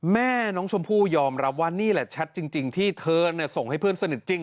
แม่น้องชมพู่ยอมรับว่านี่แหละแชทจริงที่เธอส่งให้เพื่อนสนิทจริง